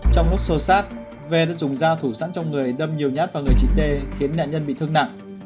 trong mốt sô sát v đã dùng dao thủ sẵn trong người đâm nhiều nhát vào người chị t khiến nạn nhân bị thương nặng